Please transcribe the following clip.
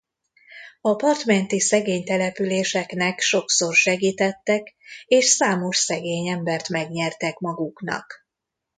A part menti szegény településeknek sokszor segítettek és számos szegény embert megnyertek maguknak.